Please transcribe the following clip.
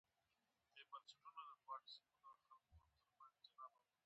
په تیلفون کې ورسره وږغېدم.